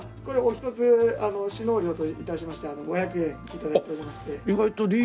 これお一つ志納料と致しまして５００円頂いておりまして。